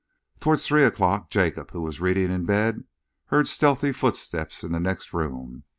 Towards three o'clock, Jacob, who was reading in bed, heard stealthy footsteps in the next room.